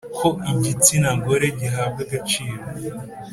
ko igitsina gore gihabwa agaciro